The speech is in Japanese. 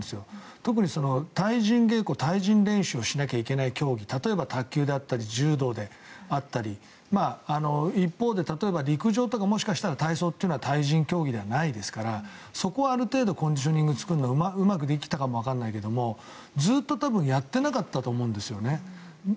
特に対人稽古、対人練習をしなければいけない競技例えば卓球であったり柔道であったり一方で例えば陸上とかもしかしたら体操というのは対人競技ではないのでそこはコンディショニングを作るのはある程度うまくできたかもしれないけどずっと多分、やってなかったと思うんですね。